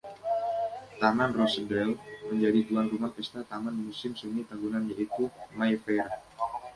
Taman Rosedale menjadi tuan rumah pesta taman musim semi tahunan, yaitu Mayfair.